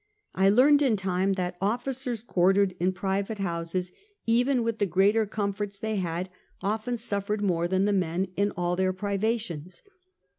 I learned in time that offi cers quartered in private houses, even with the greater comforts they had, often sufi*ered more than the men in all their privations.